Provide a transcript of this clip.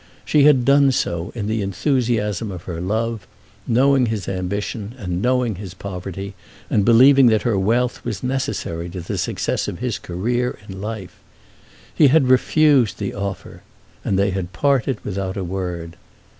She had done so in the enthusiasm of her love, knowing his ambition and knowing his poverty, and believing that her wealth was necessary to the success of his career in life. He had refused the offer, and they had parted without a word.